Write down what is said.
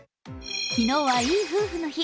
昨日はいい夫婦の日。